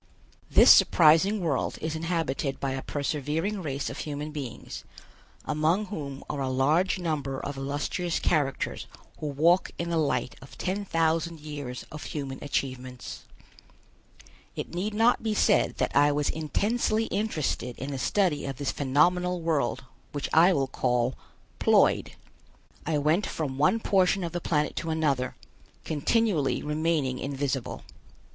This surprising world is inhabited by a persevering race of human beings, among whom are a large number of illustrious characters who walk in the light of ten thousand years of human achievements. It need not be said that I was intensely interested in the study of this phenomenal world which I will call Ploid. I went from one portion of the planet to another, continually remaining invisible.